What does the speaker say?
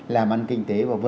làm ăn kinh tế và v v